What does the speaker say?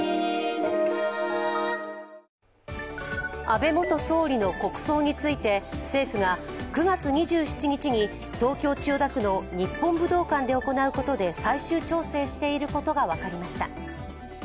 安倍元総理の国葬について、政府が９月２７日に東京・千代田区の日本武道館で行うことで最終調整していることが分かりました。